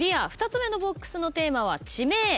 ２つ目のＢＯＸのテーマは「地名」